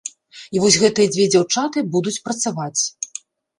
І вось гэтыя дзве дзяўчаты будуць працаваць.